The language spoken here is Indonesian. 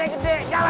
mau kita sikap kepala